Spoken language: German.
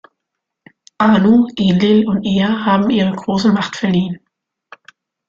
Anu, Enlil und Ea haben ihr große Macht verliehen.